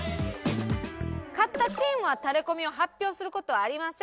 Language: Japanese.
勝ったチームはタレコミを発表する事はありません。